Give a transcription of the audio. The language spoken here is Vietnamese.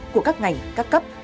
của các ngành các cấp